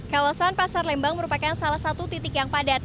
kawasan pasar lembang merupakan salah satu titik yang padat